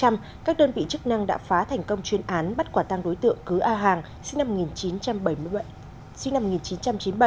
một chức năng đã phá thành công chuyên án bắt quả tăng đối tượng cứ a hàng sinh năm một nghìn chín trăm chín mươi bảy